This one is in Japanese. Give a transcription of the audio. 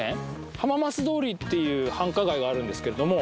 はまなす通りっていう繁華街があるんですけれども